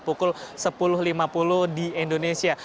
pukul sepuluh lima puluh di indonesia